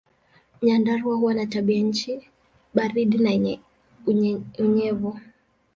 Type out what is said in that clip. Nyandarua huwa na tabianchi baridi na yenye unyevu.